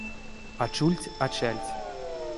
А чульть а чальть.